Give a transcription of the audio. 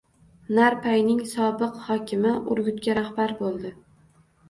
Narpayning sobiq hokimi Urgutga rahbar bo‘ldi